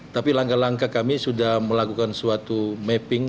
tapi langkah langkah kami sudah melakukan suatu mapping